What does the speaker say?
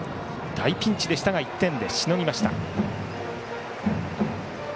大ピンチでしたが１点でしのぎました。